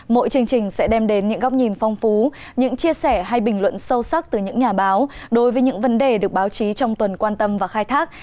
mỗi chương trình sẽ đem đến những góc nhìn phong phú những chia sẻ hay bình luận sâu sắc từ những nhà báo đối với những vấn đề được báo chí trong tuần quan tâm và khai thác